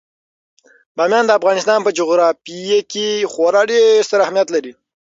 بامیان د افغانستان په جغرافیه کې خورا ډیر ستر اهمیت لري.